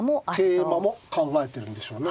桂馬も考えてるんでしょうね。